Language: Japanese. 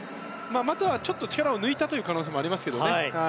またはちょっと力を抜いたという可能性もありますけどね。